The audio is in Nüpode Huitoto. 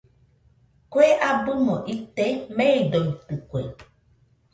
Kue abɨmo ite meidoitɨkue.